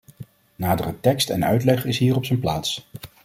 Nadere tekst en uitleg is hier op zijn plaats.